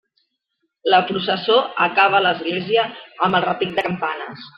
La processó acaba a l'església amb el repic de campanes.